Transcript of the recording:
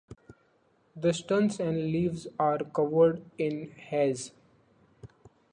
The stems and leaves are covered in hairs.